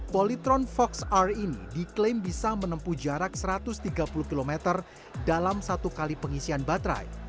polytron fox r ini diklaim bisa menempuh jarak satu ratus tiga puluh km dalam satu kali pengisian baterai